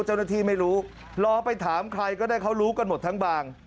เจ้าหน้าที่ไม่รู้รอไปถามใครก็ได้เขารู้กันหมดทั้งบาง